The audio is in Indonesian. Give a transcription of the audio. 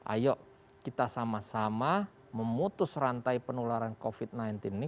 ayo kita sama sama memutus rantai penularan covid sembilan belas ini